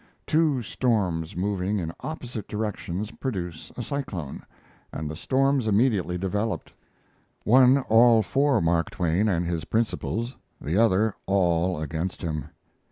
Two storms moving in opposite directions produce a cyclone, and the storms immediately developed; one all for Mark Twain and his principles, the other all against him.